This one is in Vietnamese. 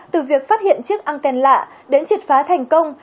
từ việc phát hiện chiếc anten lạ đến triệt phá thành công